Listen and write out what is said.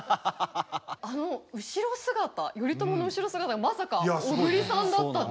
あの後ろ姿頼朝の後ろ姿がまさか小栗さんだったっていう。